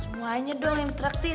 semuanya dong yang teraksi